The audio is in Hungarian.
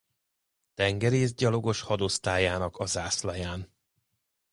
Tengerészgyalogos Hadosztályának a zászlaján.